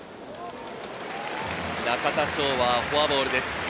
中田翔はフォアボールです。